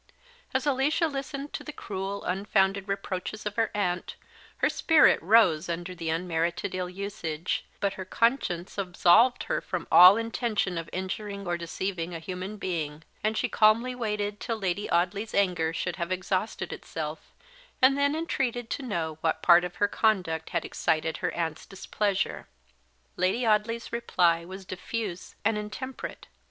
As Alicia listened to the cruel, unfounded reproaches of her aunt, her spirit rose under the unmerited ill usage, but her conscience absolved her from all intention of injuring or deceiving a human being; and she calmly waited till Lady Audley's anger should have exhausted itself, and then entreated to know what part of her conduct had excited her aunt's displeasure. Lady Audley's reply was diffuse and intemperate.